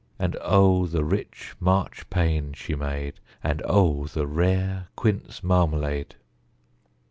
And O the rich Marchpane she made! And O the rare quince marmalade!)